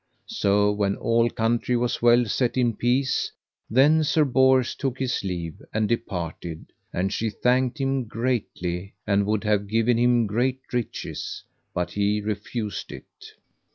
So when all the country was well set in peace, then Sir Bors took his leave and departed; and she thanked him greatly, and would have given him great riches, but he refused it.